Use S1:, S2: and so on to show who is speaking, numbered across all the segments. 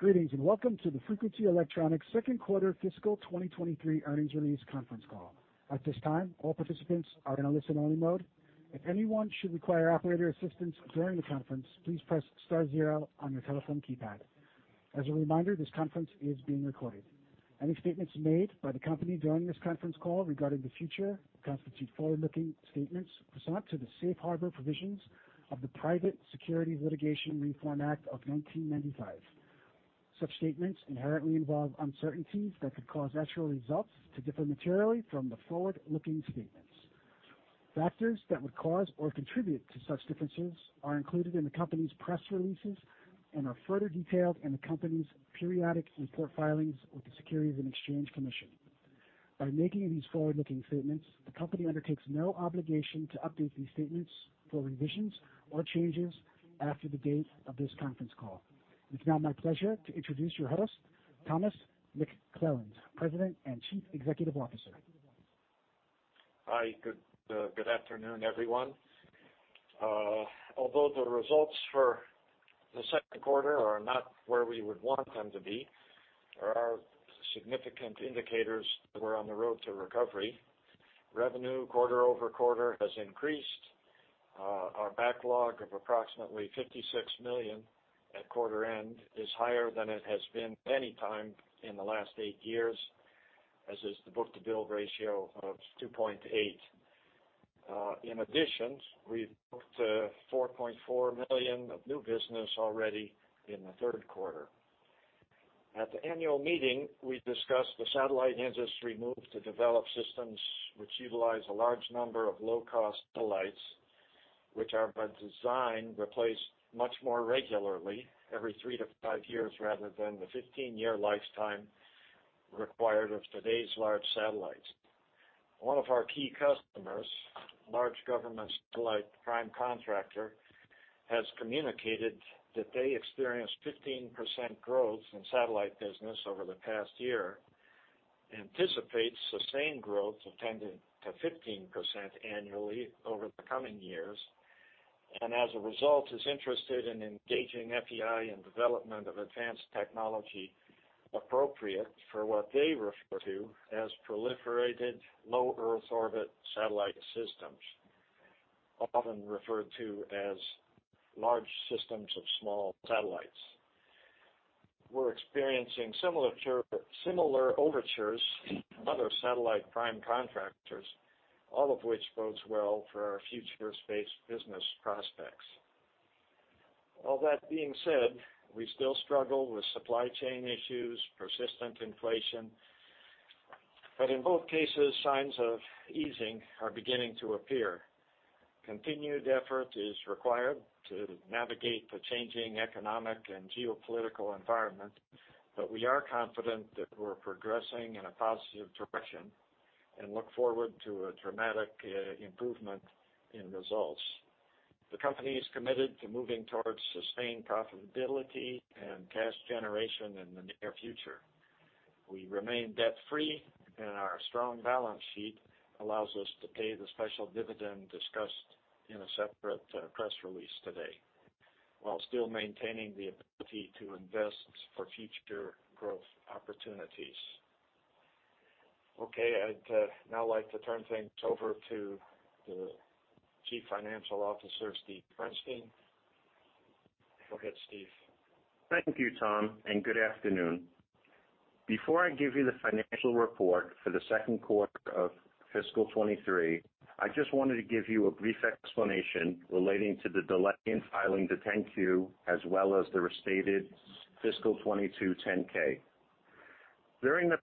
S1: Greetings, and welcome to the Frequency Electronics Q2 fiscal 2023 earnings release conference call. At this time, all participants are in a listen-only mode. If anyone should require operator assistance during the conference, please press star zero on your telephone keypad. As a reminder, this conference is being recorded. Any statements made by the company during this conference call regarding the future constitute forward-looking statements pursuant to the safe harbor provisions of the Private Securities Litigation Reform Act of 1995. Such statements inherently involve uncertainties that could cause actual results to differ materially from the forward-looking statements. Factors that would cause or contribute to such differences are included in the company's press releases and are further detailed in the company's periodic report filings with the Securities and Exchange Commission. By making these forward-looking statements, the company undertakes no obligation to update these statements for revisions or changes after the date of this conference call. It's now my pleasure to introduce your host, Thomas McClelland, President and Chief Executive Officer.
S2: Hi, good afternoon, everyone. Although the results for the Q2 are not where we would want them to be, there are significant indicators that we're on the road to recovery. Revenue quarter-over-quarter has increased. Our backlog of approximately $56 million at quarter end is higher than it has been any time in the last eight years, as is the book-to-bill ratio of 2.8. In addition, we've booked $4.4 million of new business already in the Q3. At the annual meeting, we discussed the satellite industry move to develop systems which utilize a large number of low-cost satellites, which are by design, replaced much more regularly every three to five years rather than the 15-year lifetime required of today's large satellites. One of our key customers, large government satellite prime contractor, has communicated that they experienced 15% growth in satellite business over the past year, anticipates sustained growth of 10%-15% annually over the coming years. As a result, is interested in engaging FEI in development of advanced technology appropriate for what they refer to as proliferated low Earth orbit satellite systems, often referred to as large systems of small satellites. We're experiencing similar overtures from other satellite prime contractors, all of which bodes well for our future space business prospects. All that being said, we still struggle with supply chain issues, persistent inflation, but in both cases, signs of easing are beginning to appear. Continued effort is required to navigate the changing economic and geopolitical environment, but we are confident that we're progressing in a positive direction and look forward to a dramatic improvement in results. The company is committed to moving towards sustained profitability and cash generation in the near future. We remain debt-free, and our strong balance sheet allows us to pay the special dividend discussed in a separate press release today, while still maintaining the ability to invest for future growth opportunities. Okay. I'd now like to turn things over to the Chief Financial Officer, Steve Bernstein. Go ahead, Steve.
S3: Thank you, Tom. Good afternoon. Before I give you the financial report for the Q2 of fiscal 2023, I just wanted to give you a brief explanation relating to the delay in filing the 10-Q as well as the restated fiscal 2022 10-K. During the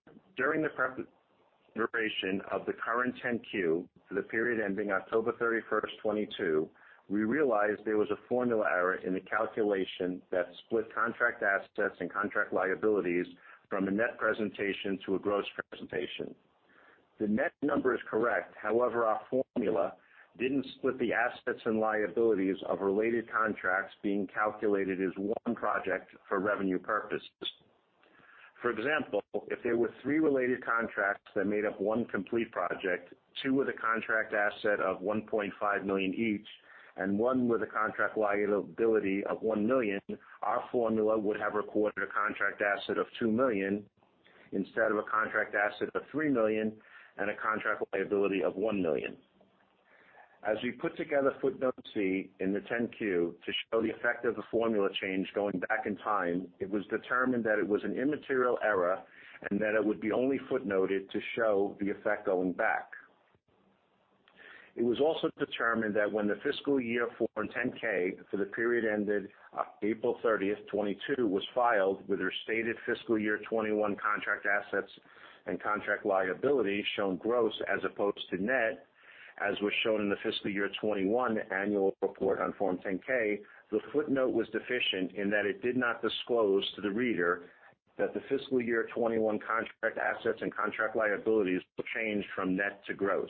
S3: preparation of the current 10-Q for the period ending October 31, 2022, we realized there was a formula error in the calculation that split contract assets and contract liabilities from a net presentation to a gross presentation. The net number is correct. Our formula didn't split the assets and liabilities of related contracts being calculated as one project for revenue purposes. For example, if there were 3 related contracts that made up 1 complete project, 2 with a contract asset of $1.5 million each and 1 with a contract liability of $1 million, our formula would have recorded a contract asset of $2 million instead of a contract asset of $3 million and a contract liability of $1 million. As we put together footnote C in the 10-Q to show the effect of the formula change going back in time, it was determined that it was an immaterial error, and that it would be only footnoted to show the effect going back. It was also determined that when the fiscal year Form 10-K for the period ended April 30, 2022, was filed with restated fiscal year 2021 contract assets and contract liability shown gross as opposed to net, as was shown in the fiscal year 2021 annual report on Form 10-K, the footnote was deficient in that it did not disclose to the reader that the fiscal year 2021 contract assets and contract liabilities changed from net to gross.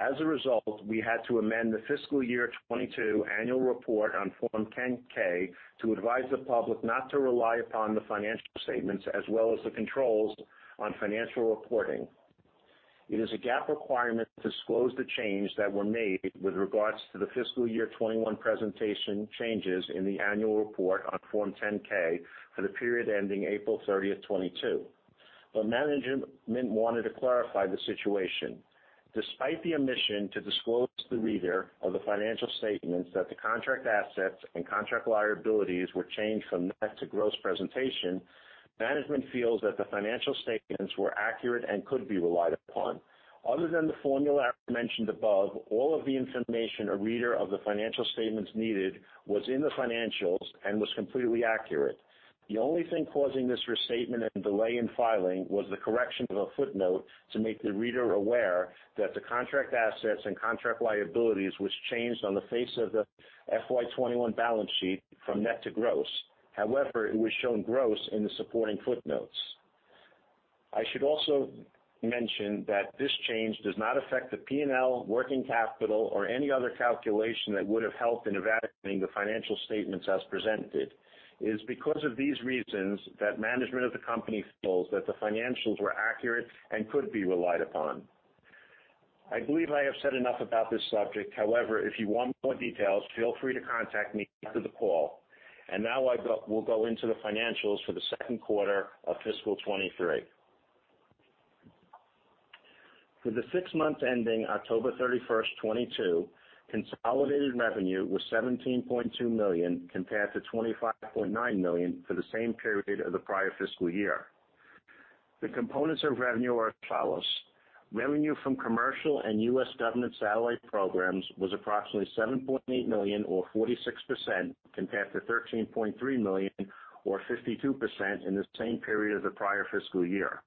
S3: As a result, we had to amend the fiscal year 2022 annual report on Form 10-K to advise the public not to rely upon the financial statements as well as the controls on financial reporting. It is a GAAP requirement to disclose the change that were made with regards to the fiscal year 2021 presentation changes in the annual report on Form 10-K for the period ending April 30, 2022. Management wanted to clarify the situation. Despite the omission to disclose to the reader of the financial statements that the contract assets and contract liabilities were changed from net to gross presentation, management feels that the financial statements were accurate and could be relied upon. Other than the formula I mentioned above, all of the information a reader of the financial statements needed was in the financials and was completely accurate. The only thing causing this restatement and delay in filing was the correction of a footnote to make the reader aware that the contract assets and contract liabilities was changed on the face of the FY21 balance sheet from net to gross. It was shown gross in the supporting footnotes. I should also mention that this change does not affect the P&L, working capital, or any other calculation that would have helped in evaluating the financial statements as presented. It is because of these reasons that management of the company feels that the financials were accurate and could be relied upon. I believe I have said enough about this subject. However, if you want more details, feel free to contact me after the call. Now we'll go into the financials for the Q2 of fiscal 23. For the six months ending October 31, 2022, consolidated revenue was $17.2 million compared to $25.9 million for the same period of the prior fiscal year. The components of revenue are as follows. Revenue from commercial and U.S. government satellite programs was approximately $7.8 million or 46% compared to $13.3 million or 52% in the same period as the prior fiscal year.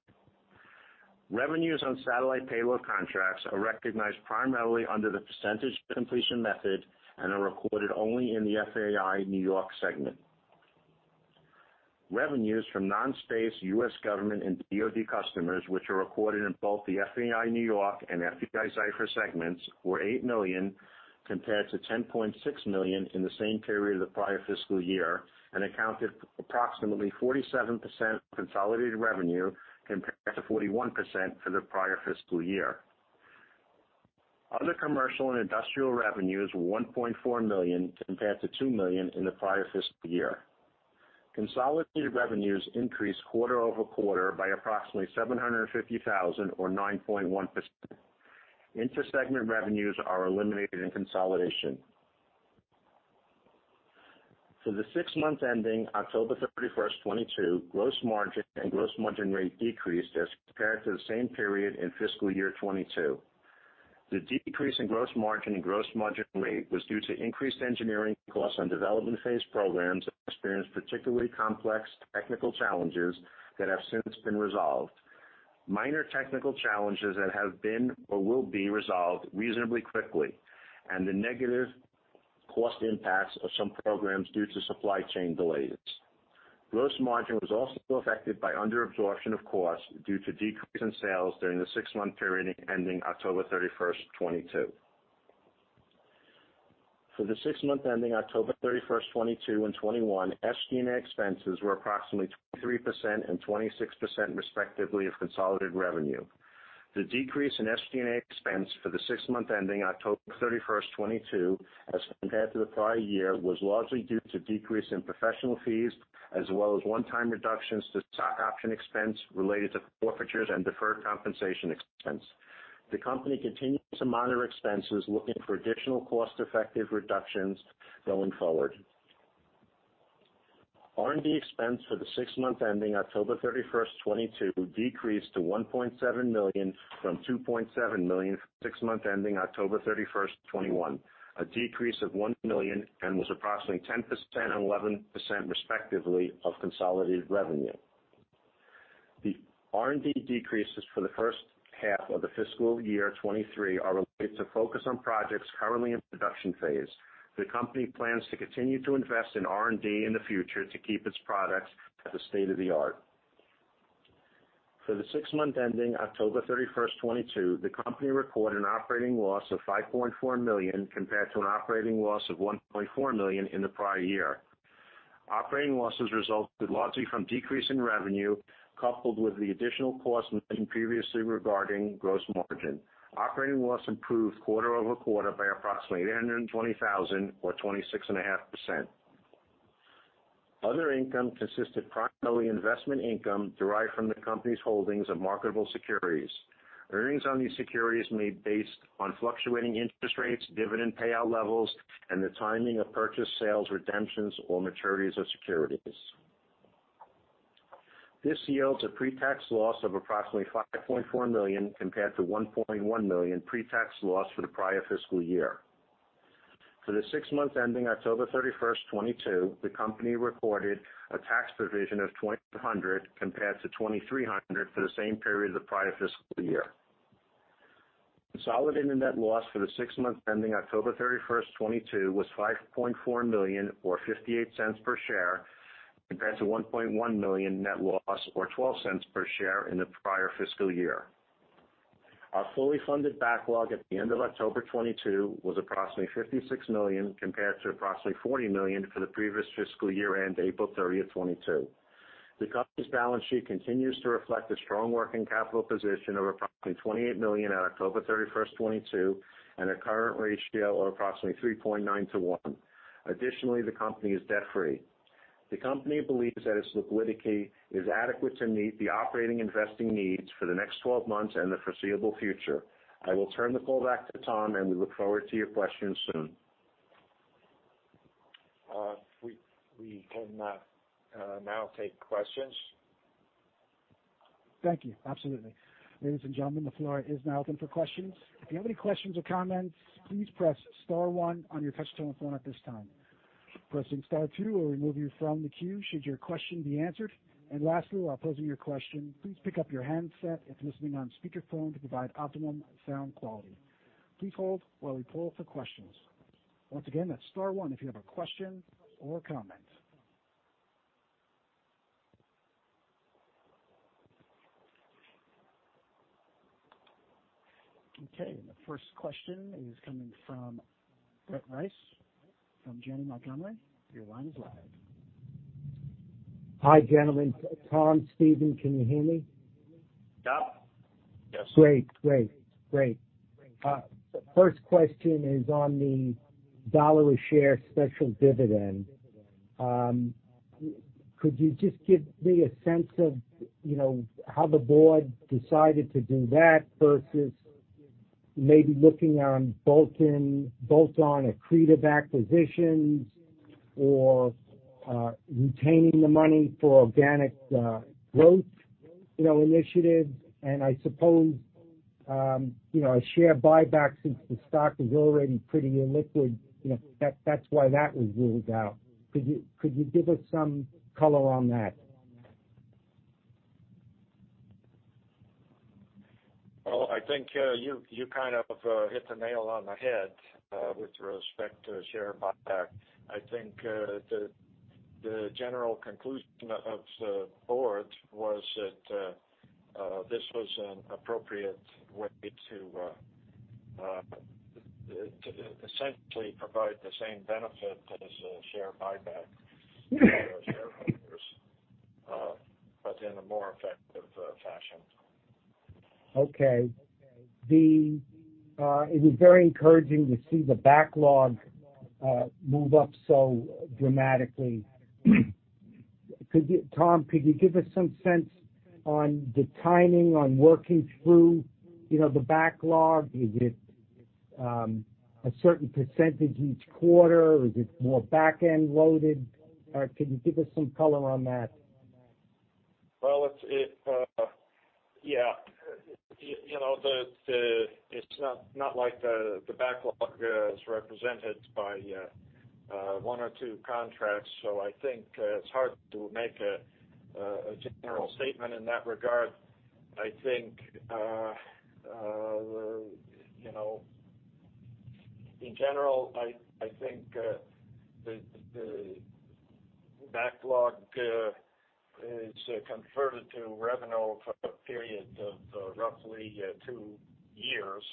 S3: Revenues on satellite payload contracts are recognized primarily under the percentage-of-completion method and are recorded only in the FEI-NY segment. Revenues from non-space U.S. government and DoD customers, which are recorded in both the FEI-NY and FEI-Zyfer segments, were $8 million compared to $10.6 million in the same period of the prior fiscal year, and accounted approximately 47% consolidated revenue compared to 41% for the prior fiscal year. Other commercial and industrial revenues were $1.4 million compared to $2 million in the prior fiscal year. Consolidated revenues increased quarter-over-quarter by approximately $750,000 or 9.1%. Inter-segment revenues are eliminated in consolidation. For the 6 months ending October 31, 2022, gross margin and gross margin rate decreased as compared to the same period in fiscal year 2022. The decrease in gross margin and gross margin rate was due to increased engineering costs on development Phase programs that experienced particularly complex technical challenges that have since been resolved, minor technical challenges that have been or will be resolved reasonably quickly, and the negative cost impacts of some programs due to supply chain delays. Gross margin was also affected by underabsorption of costs due to decrease in sales during the 6-month period ending October 31, 2022. For the 6 months ending October 31, 2022 and 2021, SG&A expenses were approximately 23% and 26%, respectively, of consolidated revenue. The decrease in SG&A expense for the six months ending October 31st, 2022 as compared to the prior year was largely due to decrease in professional fees as well as one-time reductions to stock option expense related to forfeitures and deferred compensation expense. The company continues to monitor expenses, looking for additional cost-effective reductions going forward. R&D expense for the six months ending October 31st, 2022 decreased to $1.7 million from $2.7 million for the six months ending October 31st, 2021, a decrease of $1 million, and was approximately 10% and 11%, respectively, of consolidated revenue. The R&D decreases for the first half of the fiscal year 2023 are related to focus on projects currently in production Phase. The company plans to continue to invest in R&D in the future to keep its products at the state-of-the-art. For the six months ending October 31st, 2022, the company reported an operating loss of $5.4 million compared to an operating loss of $1.4 million in the prior year. Operating losses resulted largely from decrease in revenue coupled with the additional costs mentioned previously regarding gross margin. Operating loss improved quarter-over-quarter by approximately $820,000 or 26.5%. Other income consists of primarily investment income derived from the company's holdings of marketable securities. Earnings on these securities made based on fluctuating interest rates, dividend payout levels, and the timing of purchase sales redemptions or maturities of securities. This yields a pre-tax loss of approximately $5.4 million compared to $1.1 million pre-tax loss for the prior fiscal year. For the six months ending October 31, 2022, the company recorded a tax provision of $200 compared to $230 for the same period of the prior fiscal year. Consolidated net loss for the six months ending October 31, 2022, was $5.4 million or $0.58 per share compared to $1.1 million net loss or $0.12 per share in the prior fiscal year. Our fully funded backlog at the end of October 2022 was approximately $56 million compared to approximately $40 million for the previous fiscal year end, April 30, 2022. The company's balance sheet continues to reflect a strong working capital position of approximately $28 million on October 31, 2022, and a current ratio of approximately 3.9 to 1. The company is debt-free. The company believes that its liquidity is adequate to meet the operating investing needs for the next 12 months and the foreseeable future. I will turn the call back to Tom, and we look forward to your questions soon.
S2: We can now take questions.
S1: Thank you. Absolutely. Ladies and gentlemen, the floor is now open for questions. If you have any questions or comments, please press star one on your touchtone phone at this time. Pressing star two will remove you from the queue should your question be answered. Lastly, while posing your question, please pick up your handset if you're listening on speaker phone to provide optimum sound quality. Please hold while we pull for questions. Once again, that's star one if you have a question or comment. The first question is coming from Brett Reiss from Janney Montgomery Scott. Your line is live.
S4: Hi, gentlemen. Tom, Steve, can you hear me?
S2: Yeah. Yes.
S4: Great. First question is on the $1 a share special dividend. Could you just give me a sense of how the board decided to do that versus maybe looking on bolt on accretive acquisitions or retaining the money for organic growth initiatives. I suppose a share buyback since the stock is already pretty illiquid that's why that was ruled out. Could you give us some color on that?
S2: Well, I think you kind of hit the nail on the head with respect to share buyback. I think the general conclusion of the board was that this was an appropriate way to essentially provide the same benefit as a share buyback for our shareholders, but in a more effective fashion.
S4: Okay. It was very encouraging to see the backlog, move up so dramatically. Tom, could you give us some sense on the timing on working through the backlog? Is it a certain percentage each quarter, or is it more back-end loaded? Can you give us some color on that?
S2: It's. Yeah. The backlog is not like the backlog is represented by one or two contracts, so I think it's hard to make a general statement in that regard. I think in general, I think the backlog is converted to revenue for a period of roughly two years.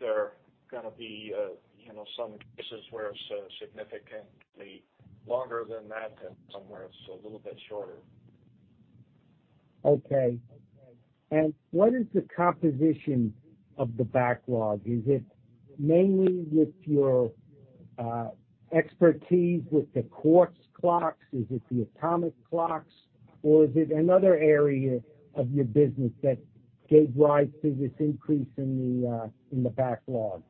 S2: There are going to be some cases where it's significantly longer than that and some where it's a little bit shorter.
S4: Okay. What is the composition of the backlog? Is it mainly with your expertise with the quartz clocks? Is it the atomic clocks, or is it another area of your business that gave rise to this increase in the backlog?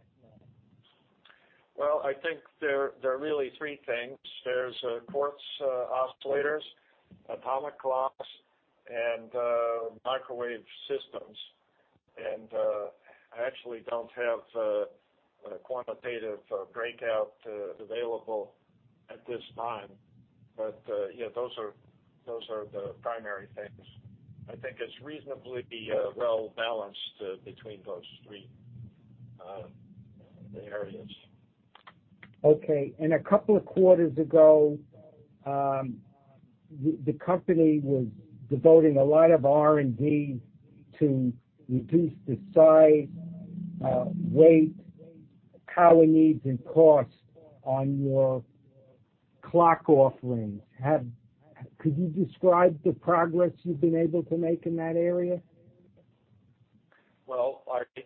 S2: Well, I think there are really three things. There's quartz oscillators, atomic clocks, and microwave systems. I actually don't have a quantitative breakout available at this time, but, yeah, those are the primary things. I think it's reasonably well balanced between those three areas.
S4: Okay. A couple of quarters ago, the company was devoting a lot of R&D to reduce the size, weight, power needs, and costs on your clock offerings. Could you describe the progress you've been able to make in that area?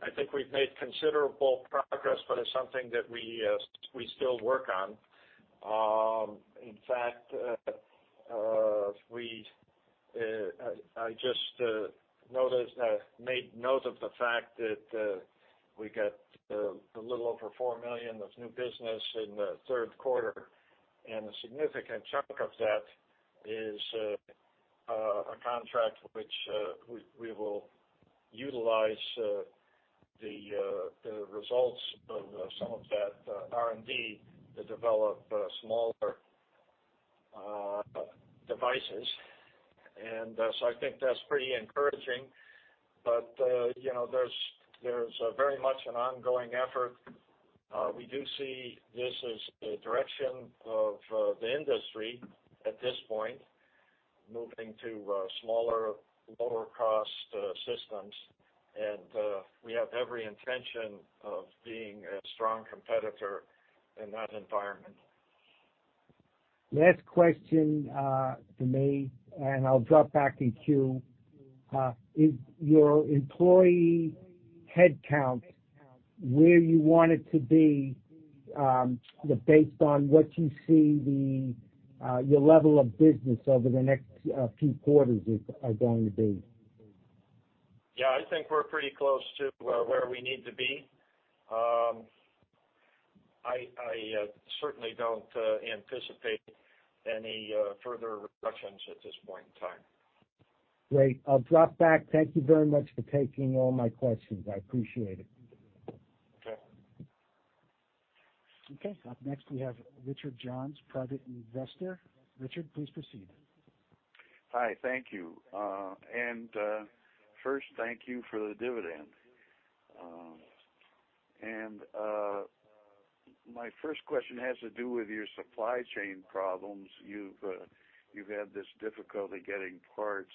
S2: I think we've made considerable progress, but it's something that we still work on. In fact, I just noticed made note of the fact that we got a little over $4 million of new business in the Q3, and a significant chunk of that is a contract which we will utilize the results of some of that R&D to develop smaller devices. I think that's pretty encouraging. There's very much an ongoing effort. We do see this as a direction of the industry at this point, moving to smaller, lower cost systems. We have every intention of being a strong competitor in that environment.
S4: Last question for me, and I'll drop back the queue. Is your employee headcount where you want it to be, based on what you see the your level of business over the next few quarters is, are going to be?
S2: I think we're pretty close to where we need to be. I certainly don't anticipate any further reductions at this point in time.
S4: Great. I'll drop back. Thank you very much for taking all my questions. I appreciate it.
S2: Okay.
S1: Up next, we have Richard Johns, private investor. Richard, please proceed.
S5: Hi. Thank you. First, thank you for the dividend. My first question has to do with your supply chain problems. You've had this difficulty getting parts,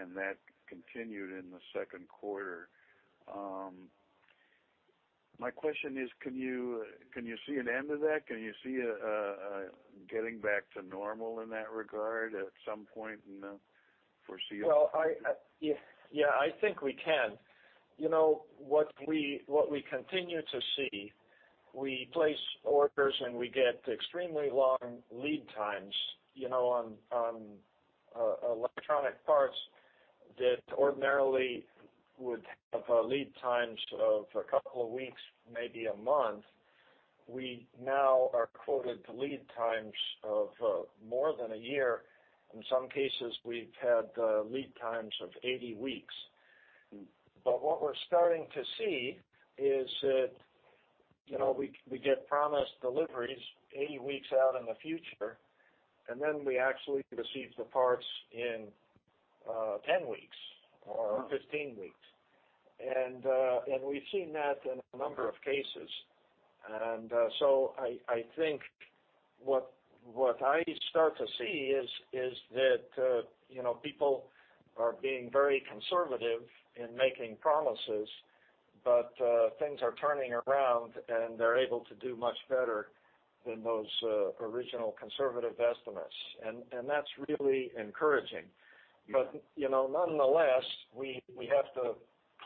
S5: and that continued in the Q2. My question is, can you see an end to that? Can you see a getting back to normal in that regard at some point in the foreseeable future?
S2: Well, Yeah, I think we can. What we continue to see, we place orders, and we get extremely long lead times on electronic parts that ordinarily would have lead times of a couple of weeks, maybe a month. We now are quoted lead times of more than a year. In some cases, we've had lead times of 80 weeks. What we're starting to see is that we get promised deliveries 80 weeks out in the future, and then we actually receive the parts in 10 weeks or 15 weeks. We've seen that in a number of cases. So I think what I start to see is that people are being very conservative in making promises, but things are turning around, and they're able to do much better than those original conservative estimates. That's really encouraging. Nonetheless, we have to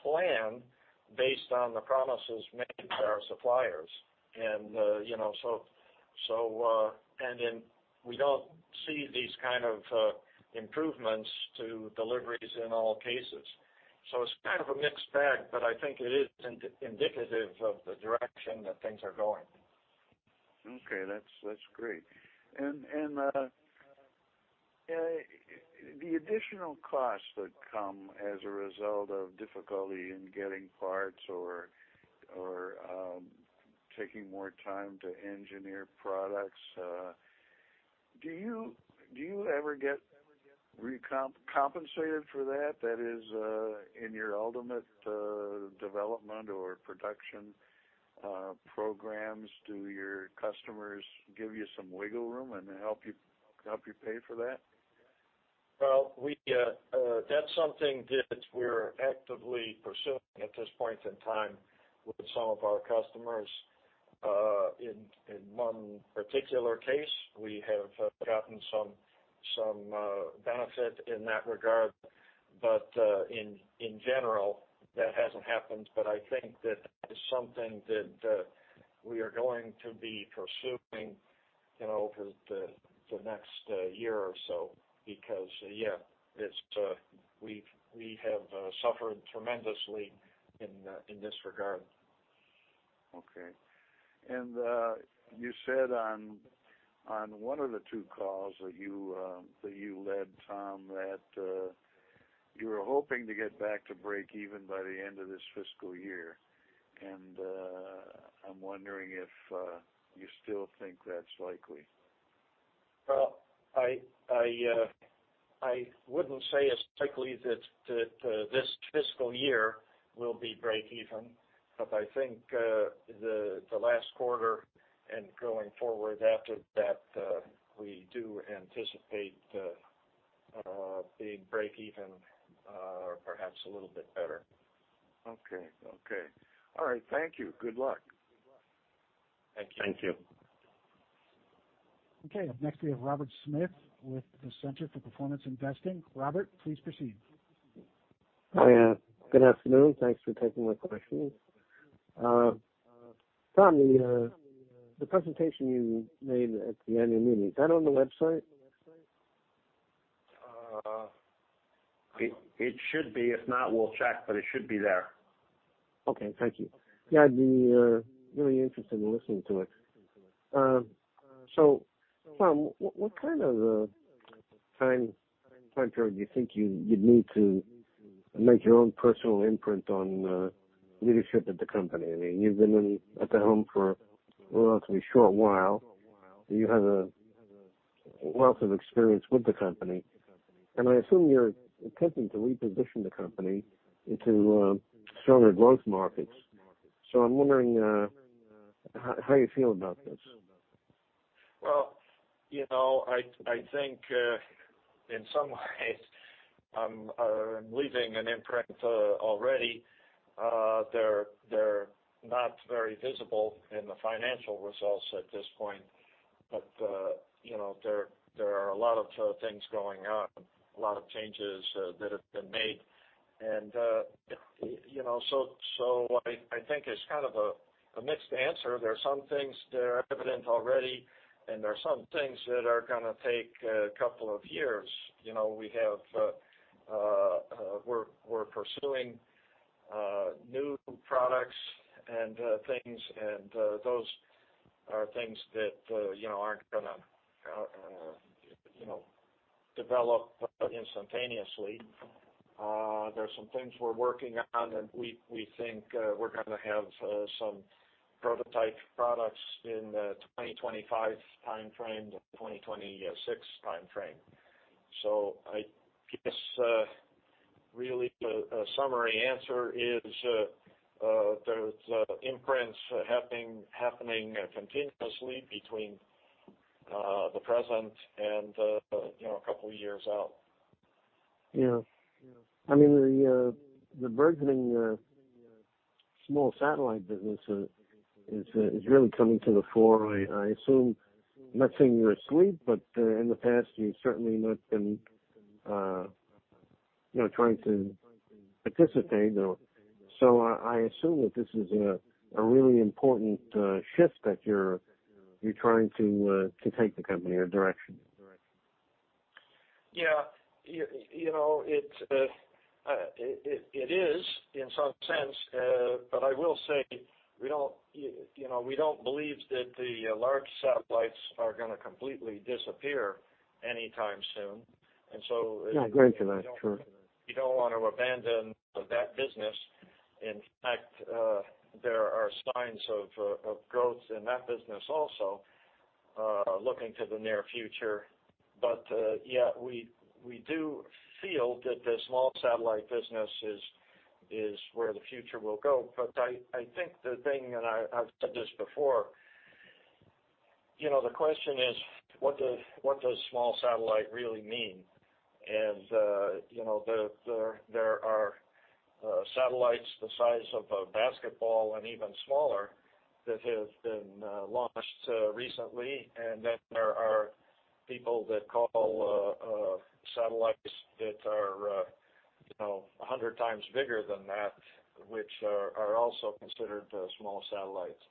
S2: plan based on the promises made by our suppliers. We don't see these kind of improvements to deliveries in all cases. It's kind of a mixed bag, but I think it is indicative of the direction that things are going.
S5: Okay. That's, that's great. The additional costs that come as a result of difficulty in getting parts or taking more time to engineer products, do you ever get compensated for that? That is, in your ultimate development or production programs, do your customers give you some wiggle room and help you pay for that?
S2: Well, we, that's something that we're actively pursuing at this point in time with some of our customers. In one particular case, we have gotten some benefit in that regard. In general, that hasn't happened. I think that is something that we are going to be pursuing over the next year or so because, yeah, it's, we've, we have suffered tremendously in this regard.
S5: Okay. You said on one of the two calls that you that you led, Tom, that you were hoping to get back to break even by the end of this fiscal year. I'm wondering if you still think that's likely.
S2: Well, I wouldn't say it's likely that this fiscal year will be break even, but I think the last quarter and going forward after that, we do anticipate being break even or perhaps a little bit better.
S5: Okay. All right. Thank you. Good luck.
S2: Thank you.
S1: Thank you. Okay. Up next, we have Robert Smith with the Center for Performance Investing. Robert, please proceed.
S6: Hi. Good afternoon. Thanks for taking my questions. Tom, the presentation you made at the annual meeting, is that on the website?
S2: It should be. If not, we'll check, but it should be there.
S6: Okay. Thank you. Yeah, I'd be really interested in listening to it. Tom, what kind of a time frame period do you think you'd need to make your own personal imprint on leadership at the company? I mean, you've been at the helm for a relatively short while. You have a wealth of experience with the company, and I assume you're attempting to reposition the company into stronger growth markets. I'm wondering how you feel about this.
S2: I think, in some ways I'm leaving an imprint, already. They're not very visible in the financial results at this point, but there are a lot of things going on, a lot of changes, that have been made. So I think it's kind of a mixed answer. There are some things that are evident already, and there are some things that are going to take a couple of years. We have, we're pursuing, new products and, things, and, those are things that aren't going to develop instantaneously. There are some things we're working on, and we think, we're going to have some prototype products in 2025 timeframe to 2026 timeframe. I guess, really the summary answer is, there's imprints happening continuously between the present and a couple years out.
S6: The burgeoning small satellite business is really coming to the fore. I assume, I'm not saying you're asleep, but in the past you've certainly not been trying to anticipate or. I assume that this is a really important shift that you're trying to take the company or direction.
S2: Yeah. It's, it is in some sense, but I will say we don't we don't believe that the large satellites are going to completely disappear anytime soon.
S6: Yeah, I agree to that. Sure.
S2: You don't want to abandon that business. In fact, there are signs of growth in that business also, looking to the near future. Yeah, we do feel that the small satellite business is where the future will go. I think the thing, and I've said this before the question is what does small satellite really mean? There are satellites the size of a basketball and even smaller that have been launched recently, and then there are people that call satellites that are 100 times bigger than that, which are also considered small satellites.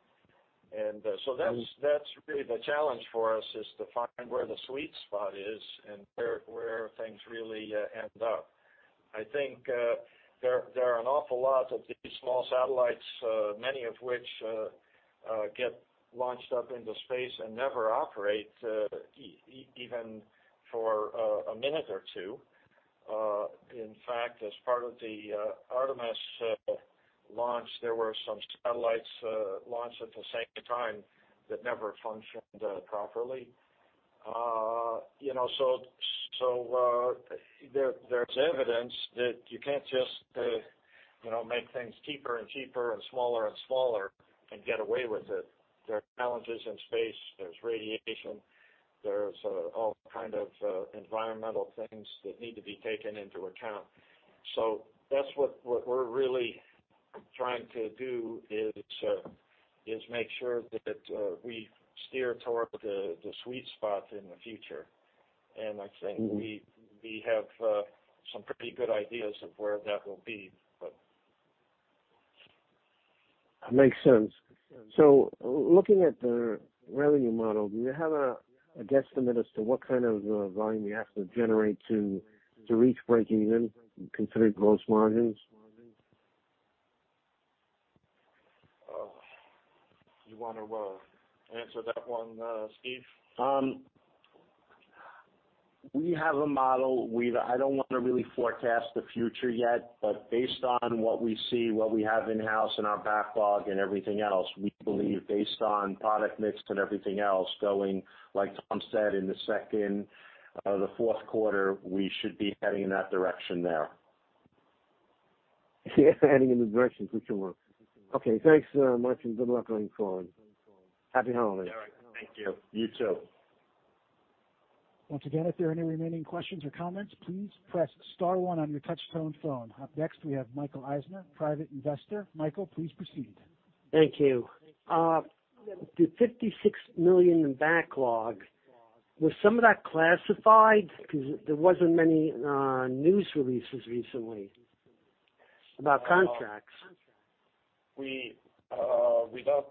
S2: So that's.
S6: Mm-hmm.
S2: That's really the challenge for us, is to find where the sweet spot is and where things really end up. I think there are an awful lot of these small satellites, many of which get launched up into space and never operate even for a minute or two. In fact, as part of the Artemis launch, there were some satellites launched at the same time that never functioned properly. So there's evidence that you can't just make things cheaper and cheaper and smaller and smaller and get away with it. There are challenges in space. There's radiation. There's all kind of environmental things that need to be taken into account. That's what we're really trying to do is make sure that we steer toward the sweet spot in the future. I think.
S6: Mm-hmm.
S2: We have some pretty good ideas of where that will be, but.
S6: That makes sense. Looking at the revenue model, do you have a guesstimate as to what kind of volume you have to generate to reach breakeven considering gross margins?
S2: You want to answer that one, Steve?
S3: We have a model. I don't want to really forecast the future yet, but based on what we see, what we have in-house in our backlog and everything else, we believe based on product mix and everything else going, like Tom said, in the second, the Q4, we should be heading in that direction there.
S6: Heading in the direction for sure. Okay, thanks, much, and good luck going forward. Happy holidays.
S3: All right. Thank you. You too.
S1: Once again, if there are any remaining questions or comments, please press star 1 on your touchtone phone. Up next, we have Michael Eisner, Private Investor. Michael, please proceed.
S7: Thank you. The $56 million in backlog, was some of that classified? There wasn't many news releases recently about contracts.
S2: We don't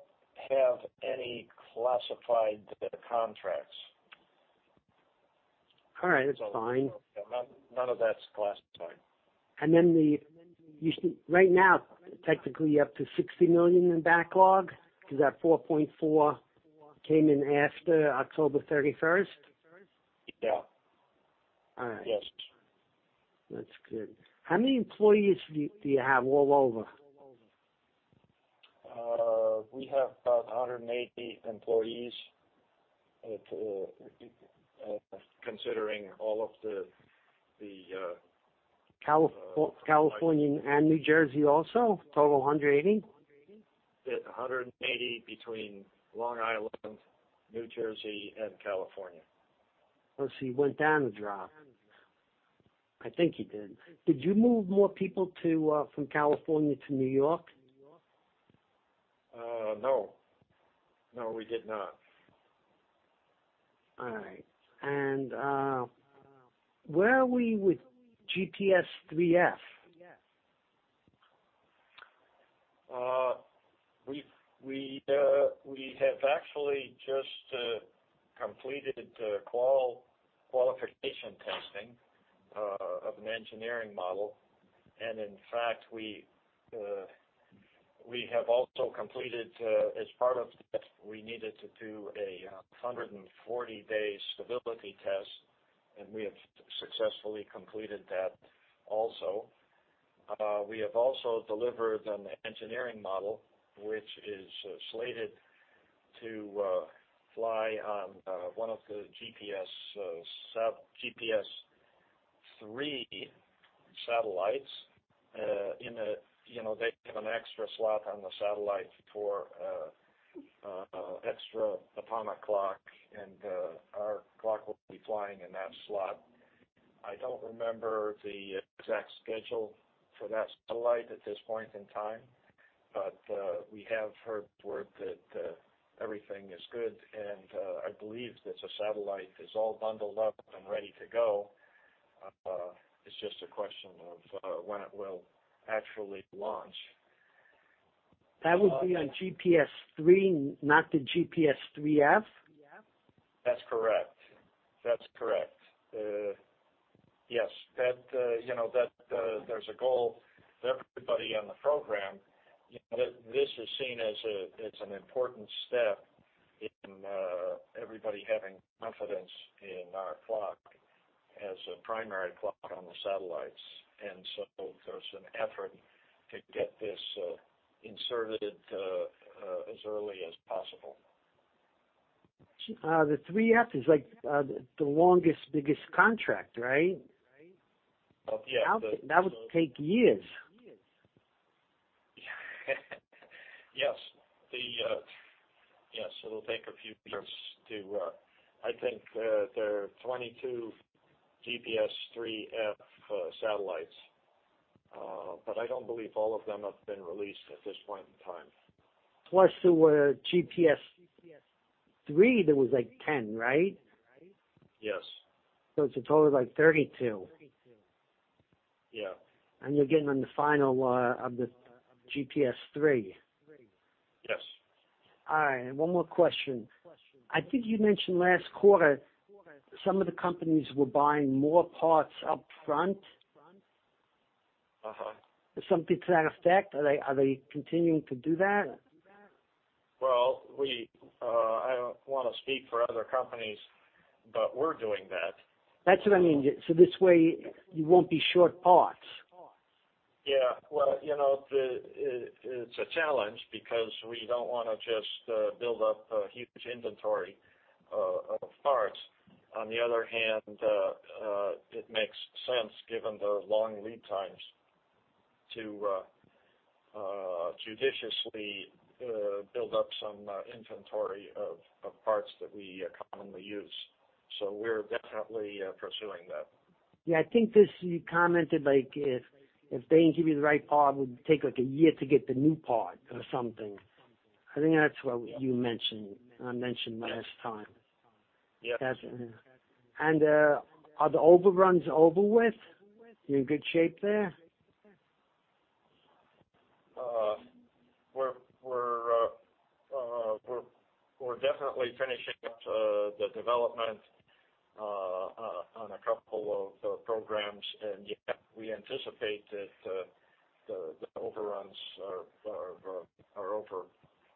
S2: have any classified contracts.
S7: All right. That's fine.
S2: None, of that's classified.
S7: You said right now, technically up to $60 million in backlog 'cause that $4.4 came in after October 31st?
S2: Yeah.
S7: All right.
S2: Yes.
S7: That's good. How many employees do you have all over?
S2: We have about 180 employees, considering all of the.
S7: California and New Jersey also, total 180?
S2: It's 180 between Long Island, New Jersey, and California.
S7: You went down a drop. I think you did. Did you move more people to from California to New York?
S2: No. No, we did not.
S7: All right. Where are we with GPS IIIF?
S2: We have actually just completed the qualification testing of an engineering model. In fact, we have also completed, as part of that, we needed to do 140 days stability test, and we have successfully completed that also. We have also delivered an engineering model, which is slated to fly on one of the GPS III satellites. In a they have an extra slot on the satellite for extra atomic clock, and our clock will be flying in that slot. I don't remember the exact schedule for that satellite at this point in time, but we have heard word that everything is good, and I believe that the satellite is all bundled up and ready to go. It's just a question of when it will actually launch.
S7: That would be on GPS III, not the GPS IIIF?
S2: That's correct. Yes, that that, there's a goal for everybody on the program. This is seen as an important step in everybody having confidence in our clock as a primary clock on the satellites. There's an effort to get this inserted as early as possible.
S7: The IIIF is, like, the longest, biggest contract, right?
S2: Yeah.
S7: That would take years.
S2: Yes. It'll take a few years to. I think there are 22 GPS IIIF satellites. I don't believe all of them have been released at this point in time.
S7: There were GPS III, there was, like, 10, right?
S2: Yes.
S7: It's a total of, like, 32.
S2: Yeah.
S7: You're getting on the final of the GPS III.
S2: Yes.
S7: All right, one more question. I think you mentioned last quarter, some of the companies were buying more parts up front.
S2: Uh-huh.
S7: Something to that effect. Are they continuing to do that?
S2: Well, we, I don't want to speak for other companies, but we're doing that.
S7: That's what I mean. This way you won't be short parts.
S2: Yeah. well it's a challenge because we don't want to just build up a huge inventory of parts. On the other hand, it makes sense given the long lead times to judiciously build up some inventory of parts that we commonly use. We're definitely pursuing that.
S7: Yeah, I think this, you commented like if they didn't give you the right part, it would take like a year to get the new part or something. I think that's what you mentioned or mentioned last time.
S2: Yes.
S7: That's it, yeah. Are the overruns over with? You in good shape there?
S2: We're definitely finishing up the development on a couple of the programs. Yeah, we anticipate that the overruns are over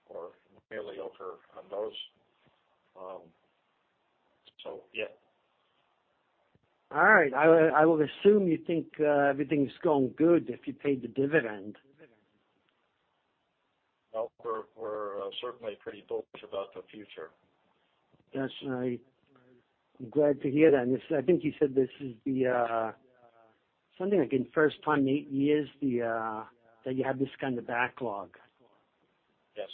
S2: or nearly over on those. Yeah.
S7: All right. I would assume you think everything's going good if you paid the dividend.
S2: We're certainly pretty bullish about the future.
S7: That's right. I'm glad to hear that. This, I think you said this is the, something like in 1st time in 8 years, the, that you have this kind of backlog.
S2: Yes.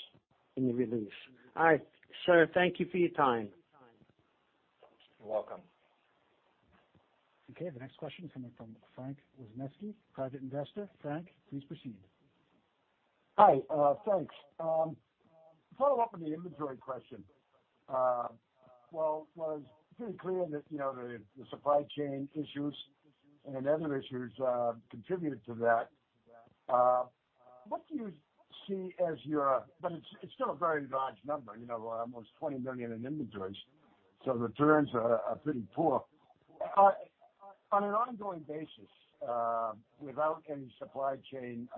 S7: In the release. All right. Sir, thank you for your time.
S2: You're welcome.
S1: Okay. The next question is coming from Frank Wisneski, Private Investor. Frank, please proceed.
S8: Hi. Thanks. Follow up on the inventory question. Well, it was pretty clear that the supply chain issues and other issues contributed to that. What do you see as but it's still a very large number almost $20 million in inventories, so returns are pretty poor. On an ongoing basis, without any supply chain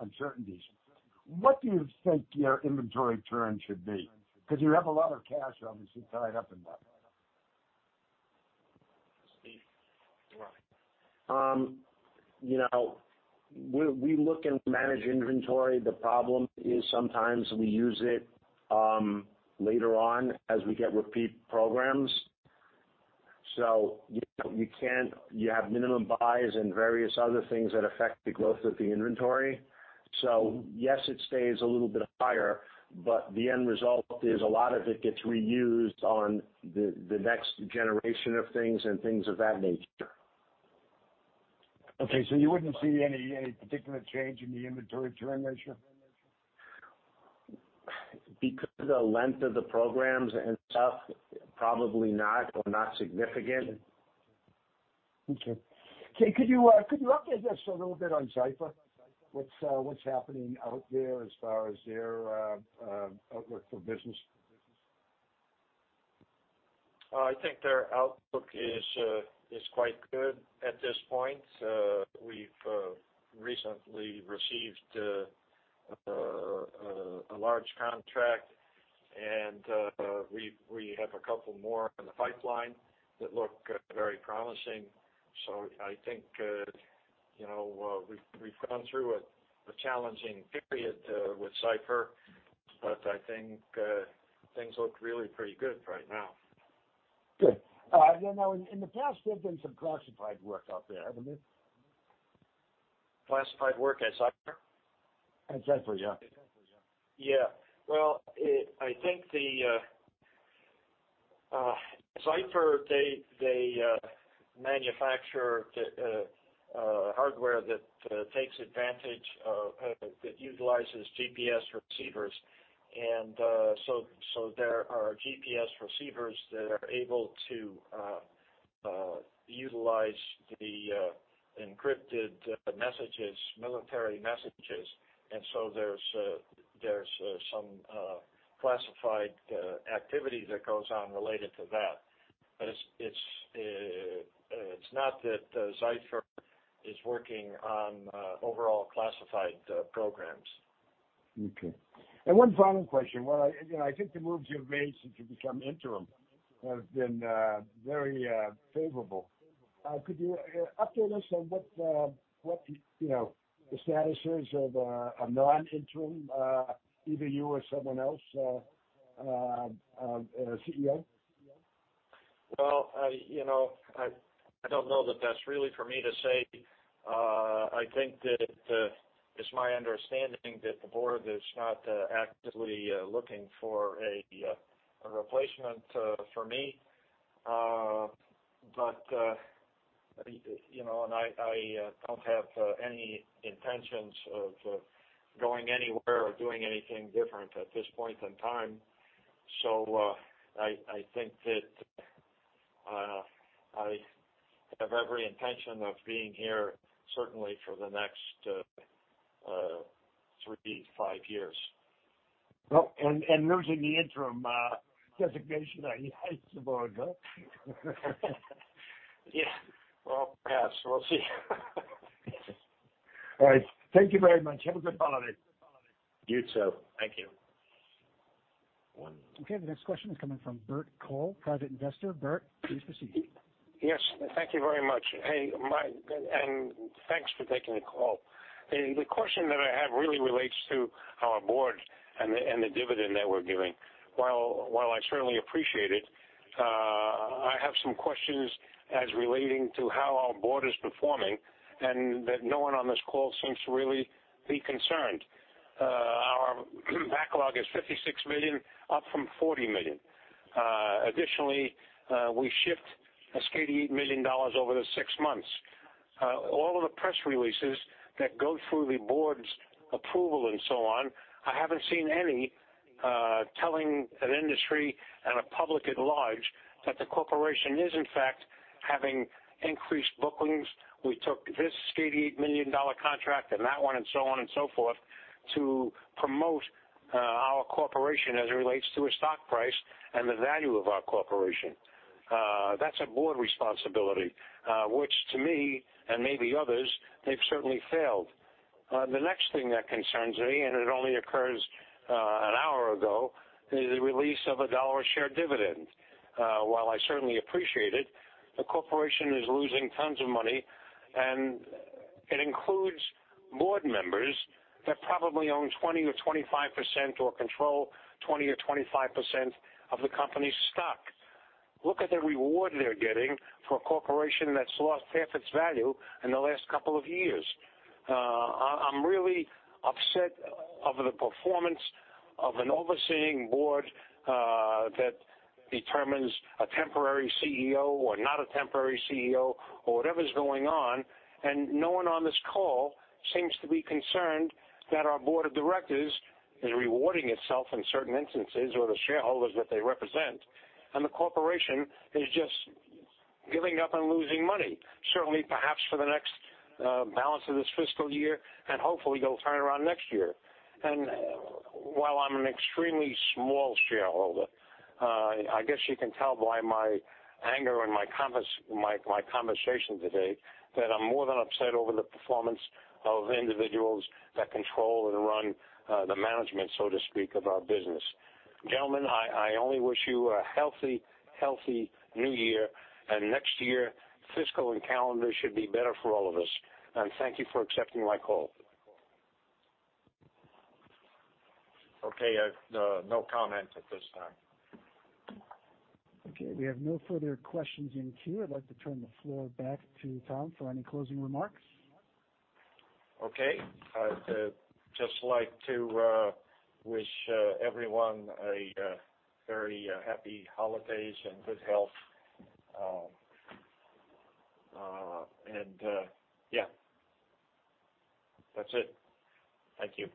S8: uncertainties, what do you think your inventory turns should be? 'Cause you have a lot of cash obviously tied up in that.
S2: Steve.
S9: Right. We look and manage inventory. The problem is sometimes we use it, later on as we get repeat programs.
S2: you have minimum buys and various other things that affect the growth of the inventory. Yes, it stays a little bit higher, but the end result is a lot of it gets reused on the next generation of things and things of that nature.
S10: Okay. You wouldn't see any particular change in the inventory turn ratio?
S2: Because of the length of the programs and stuff, probably not or not significant.
S10: Okay. Could you, could you update us a little bit on Zyfer? What's, what's happening out there as far as their outlook for business?
S2: I think their outlook is quite good at this point. We've recently received a large contract, and we have a couple more in the pipeline that look very promising. I think we've gone through a challenging period with Zyfer, but I think things look really pretty good right now.
S10: Good. In the past, there's been some classified work out there, haven't there?
S2: Classified work at Zyfer?
S10: At Zyfer, yeah.
S2: Yeah. Well, I think the Zyfer, they manufacture the hardware that takes advantage of that utilizes GPS receivers. So there are GPS receivers that are able to utilize the encrypted messages, military messages. So there's some classified activity that goes on related to that. It's not that Zyfer is working on overall classified programs.
S10: Okay. One final question. The moves you've made since you've become interim have been very favorable. Could you update us on what the status is of a non-interim, either you or someone else, as CEO?
S2: Well, i I don't know that that's really for me to say. I think that it's my understanding that the board is not actively looking for a replacement for me. I don't have any intentions of going anywhere or doing anything different at this point in time. I think that I have every intention of being here certainly for the next three to five years.
S10: Well, losing the interim designation, I mean, heights the bar, no?
S2: Yeah. Well, yes. We'll see.
S10: All right. Thank you very much. Have a good holiday.
S2: You too. Thank you.
S11: One-
S1: Okay, the next question is coming from Bert Cole, Private Investor. Bert, please proceed.
S10: Yes. Thank you very much. Thanks for taking the call. The question that I have really relates to our board and the dividend that we're giving. While, while I certainly appreciate it, I have some questions as relating to how our board is performing and that no one on this call seems to really be concerned. Our backlog is $56 million, up from $40 million. Additionally, we shift a scary $8 million over the 6 months. All of the press releases that go through the board's approval and so on, I haven't seen any, telling an industry and a public at large that the corporation is, in fact, having increased bookings. We took this scary $8 million contract and that one and so on and so forth to promote our corporation as it relates to a stock price and the value of our corporation. That's a board responsibility, which to me, and maybe others, they've certainly failed. The next thing that concerns me, and it only occurs an hour ago, is the release of a $1 a share dividend. While I certainly appreciate it, the corporation is losing tons of money, and it includes board members that probably own 20% or 25% or control 20% or 25% of the company's stock. Look at the reward they're getting for a corporation that's lost half its value in the last couple of years. I'm really upset of the performance of an overseeing board that determines a temporary CEO or not a temporary CEO or whatever is going on. No one on this call seems to be concerned that our board of directors is rewarding itself in certain instances or the shareholders that they represent, and the corporation is just giving up on losing money, certainly perhaps for the next balance of this fiscal year, and hopefully it'll turn around next year. While I'm an extremely small shareholder, I guess you can tell by my anger and my conversation today that I'm more than upset over the performance of individuals that control and run the management, so to speak, of our business. Gentlemen, I only wish you a healthy new year, and next year, fiscal and calendar should be better for all of us. Thank you for accepting my call.
S2: Okay, no comment at this time.
S1: Okay, we have no further questions in queue. I'd like to turn the floor back to Tom for any closing remarks.
S2: Okay. I'd just like to wish everyone a very happy holidays and good health and yeah. That's it. Thank you.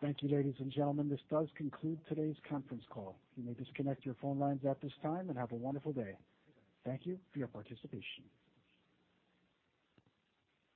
S1: Thank you, ladies and gentlemen. This does conclude today's conference call. You may disconnect your phone lines at this time and have a wonderful day. Thank you for your participation.